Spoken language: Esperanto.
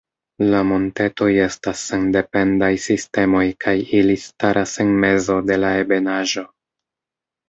La montetoj estas sendependaj sistemoj kaj ili staras en mezo de la ebenaĵo.